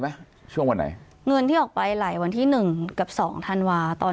ไหมช่วงวันไหนเงินที่ออกไปไหลวันที่๑กับ๒ธันวาคมตอน